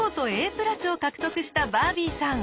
プラスを獲得したバービーさん。